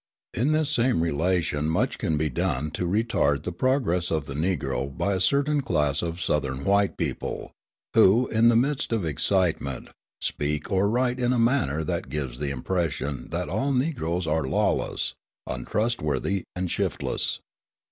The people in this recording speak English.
In this same relation much can be done to retard the progress of the Negro by a certain class of Southern white people, who, in the midst of excitement, speak or write in a manner that gives the impression that all Negroes are lawless, untrustworthy, and shiftless.